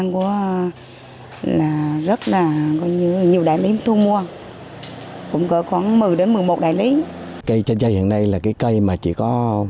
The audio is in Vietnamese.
cây chanh dây hiện nay là cái cây mà chỉ có